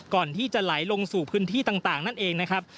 ก่อนที่จะไหลลงสู่พื้นที่ต่างนั่นเองนะครับ